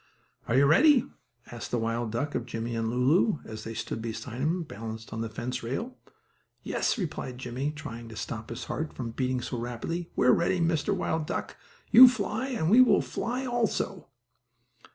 "Are you all ready?" asked the wild duck of Jimmie and Lulu, as they stood beside him, balanced on the fence rail. "Yes," replied Jimmie, trying to stop his heart from beating so rapidly, "we are ready, Mr. Wild Duck. You fly and we will fly also."